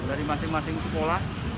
dari masing masing sekolah